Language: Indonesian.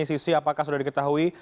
sisi apakah sudah diketahui